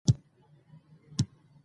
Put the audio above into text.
ښتې د افغان ماشومانو د زده کړې موضوع ده.